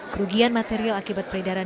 kerugian material akibat peredaran